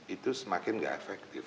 itu semakin nggak efektif